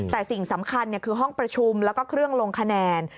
แต่สิ่งสำคัญคือห้องประชุมแล้วก็เครื่องลงคะแนน